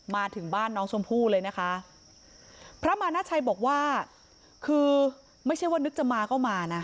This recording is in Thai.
มาถึงบ้านน้องชมพู่เลยนะคะพระมานาชัยบอกว่าคือไม่ใช่ว่านึกจะมาก็มานะ